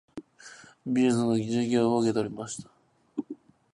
美術の授業を受けました。